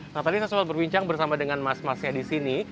nah tadi saya sempat berbincang bersama dengan mas masnya di sini